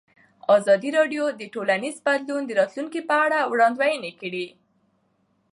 ازادي راډیو د ټولنیز بدلون د راتلونکې په اړه وړاندوینې کړې.